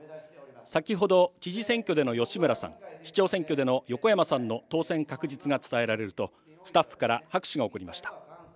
先ほど、知事選挙での吉村さん、市長選挙での横山さんの当選確実が伝えられると、スタッフから拍手が起こりました。